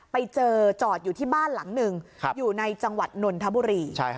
ไปเจอจอดอยู่ที่บ้านหลังหนึ่งอยู่ในจังหวัดนนทบุรี